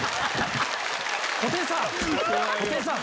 布袋さん